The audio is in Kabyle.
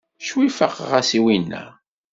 Ccwi faqeɣ-as i winna.